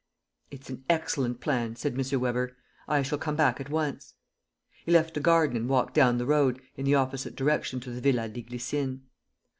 "It is an excellent plan," said M. Weber. "I shall come back at once." He left the garden and walked down the road, in the opposite direction to the Villa des Glycines.